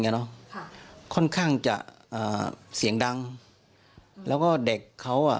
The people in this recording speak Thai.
เนอะค่ะค่อนข้างจะอ่าเสียงดังแล้วก็เด็กเขาอ่ะ